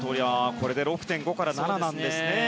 これで６．５から７なんですね。